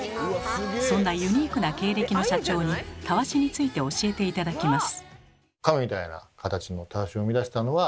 そんなユニークな経歴の社長にたわしについて教えて頂きます。